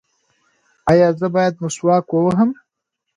ایا زه باید مسواک ووهم؟